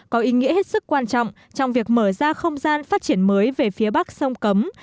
có ý nghĩa hết sức quan trọng trong việc mở ra không gian phát triển mới về phía bắc sông cấm